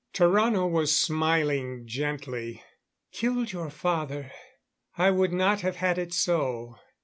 Tarrano was smiling gently. "... killed your father. I would not have had it so.